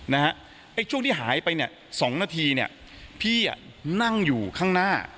ไอ้ช่วงที่หายไปเนี่ย๒นาทีเนี่ยพี่นั่งอยู่ข้างหน้า